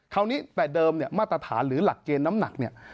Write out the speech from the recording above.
คราวนี้แต่เดิมเนี่ยมาตรฐานหรือหลักเกณฑ์น้ำหนักเนี่ย